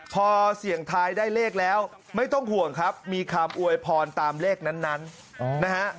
พอเสี่ยงทายได้เลขแล้วไม่ต้องห่วงครับมีคำอวยพรตามเลขนั้นนะฮะ